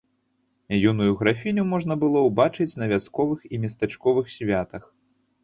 Юную графіню можна было ўбачыць на вясковых і местачковых святах.